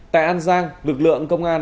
tại an giang lực lượng công an